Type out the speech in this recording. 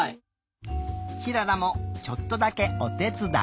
ひららもちょっとだけおてつだい。